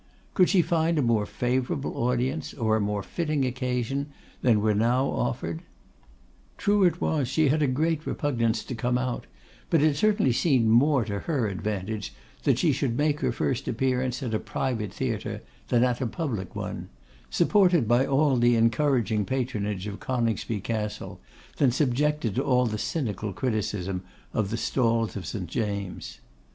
Could she find a more favourable audience, or a more fitting occasion, than were now offered? True it was she had a great repugnance to come out; but it certainly seemed more to her advantage that she should make her first appearance at a private theatre than at a public one; supported by all the encouraging patronage of Coningsby Castle, than subjected to all the cynical criticism of the stalls of St. James'.